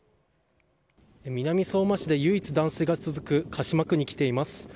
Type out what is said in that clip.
南相馬市で唯一断水が続く地区に来ています。